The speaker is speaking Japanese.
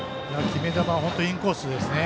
決め球は本当にインコースですね。